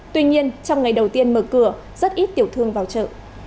tuy nhiên trong ngày đầu tiên mở cửa rất ít tiểu thương vào chợ